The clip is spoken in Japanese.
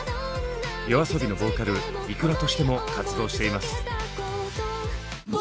ＹＯＡＳＯＢＩのボーカルｉｋｕｒａとしても活動しています。